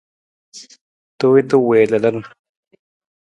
Tuwiita wii lalan.